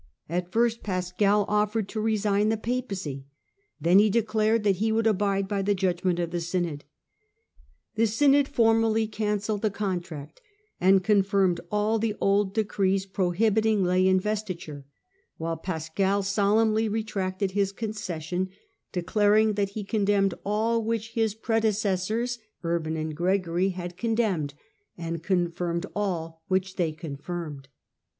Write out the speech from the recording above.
At first Pascal offered to resign the Papacy ; then he declared that he would abide by the judgment of the synod. The synod formally cancelled the contract, and confirmed all the old decrees prohibit ing lay investiture, while Pascal solemnly retracted his concession, declaring that he condemned all which his Digitized by VjOOQIC Contest of Henry V. with the Pope 197 predecessors, Urban and Gregory, had condemned, and confirmed all which they confirmed.